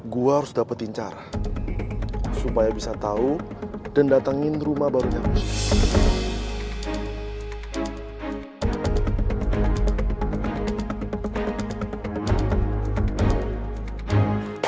gua harus dapetin cara supaya bisa tau dan datengin rumah barunya michelle